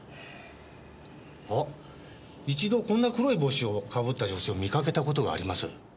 あっ一度こんな黒い帽子をかぶった女性を見かけたことがあります。